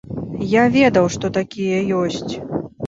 Я ведаў, што такія ёсць.